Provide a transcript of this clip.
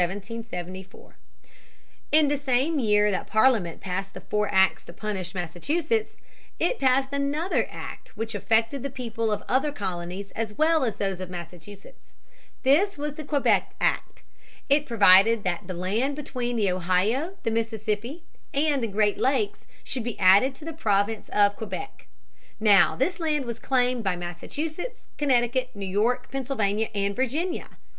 ] 126. The Quebec Act, 1774. In the same year that Parliament passed the four acts to punish Massachusetts, it passed another act which affected the people of other colonies as well as those of Massachusetts. This was the Quebec Act. It provided that the land between the Ohio, the Mississippi, and the Great Lakes should be added to the Province of Quebec. Now this land was claimed by Massachusetts, Connecticut, New York, Pennsylvania, and Virginia.